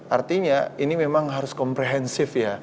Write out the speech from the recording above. artinya ini memang harus komprehensif ya